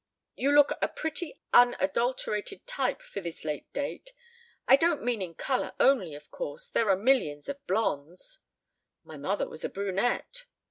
"You look a pretty unadulterated type for this late date. I don't mean in color only, of course; there are millions of blondes." "My mother was a brunette."